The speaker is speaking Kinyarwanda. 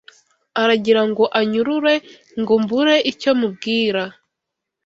Aragira ngo anyurure Ngo mbure icyo mubwira